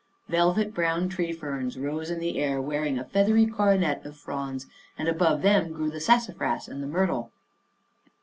Velvet brown tree ferns rose in the air, wearing a feathery coronet of fronds, and above them grew the sassafras and the myrtle.